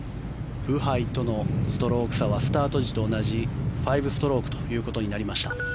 ブハイとのストローク差はスタート時と同じ５ストロークということになりました。